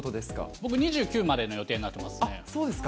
僕、２９までの予定になってそうですか。